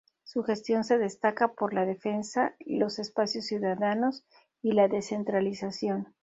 Su gestión se destaca por la defensa de los espacios ciudadanos y la descentralización.